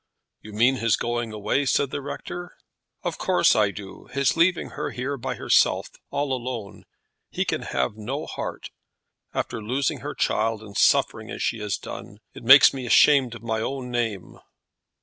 "You mean his going away?" said the rector. "Of course I do; his leaving her here by herself, all alone. He can have no heart; after losing her child and suffering as she has done. It makes me ashamed of my own name."